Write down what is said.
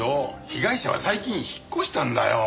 被害者は最近引っ越したんだよ。